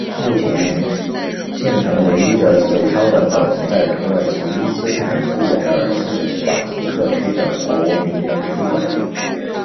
目前现存唯一的手抄本保存在土耳其伊斯坦布尔市法提赫区的国民图书馆。